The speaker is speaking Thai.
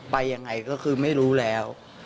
ไปยังไงก็คือไม่รู้แล้ว